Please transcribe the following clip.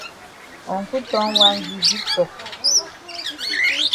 Uncle Tom wan gi big tok.